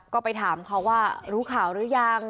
ก็ไปถามเขาว่ารู้ข่าวหรือยัง